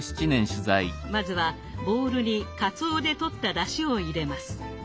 まずはボウルにかつおで取っただしを入れます。